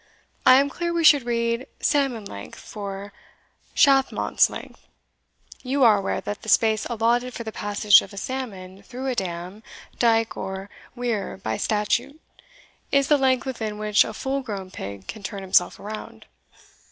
I am clear we should read salmon length for shathmont's length. You are aware that the space allotted for the passage of a salmon through a dam, dike, or weir, by statute, is the length within which a full grown pig can turn himself round.